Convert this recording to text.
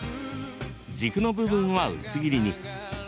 軸の部分は薄切りに。